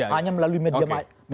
hanya melalui media